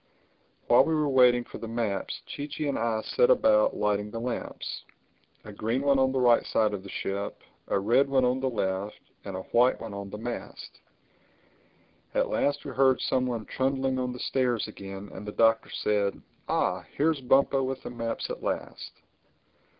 While we were waiting for the maps Chee Chee and I set about lighting the lamps: a green one on the right side of the ship, a red one on the left and a white one on the mast. At last we heard some one trundling on the stairs again and the Doctor said, "Ah, here's Bumpo with the maps at last!"